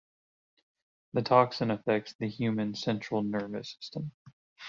The toxin affects the human central nervous system.